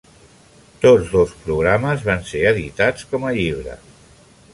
Tots dos programes van ser editats com a llibre.